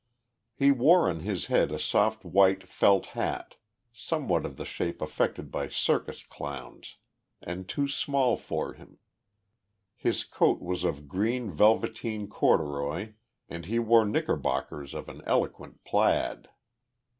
He wore on his head a soft white felt hat, somewhat of the shape affected by circus clowns, and too small for him. His coat was of green velveteen corduroy and he wore knickerbockers of an eloquent plaid.